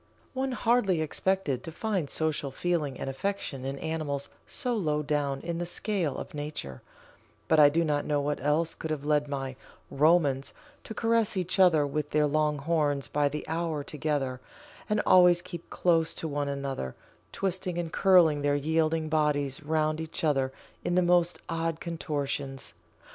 One hardly expected to find social feeling and affection in animals so low down in the scale of nature, but I do not know what else could have led my "Romans" to caress each other with their long horns by the hour together and always keep close to one another, twisting and curling their yielding bodies round each other in the most odd contortions.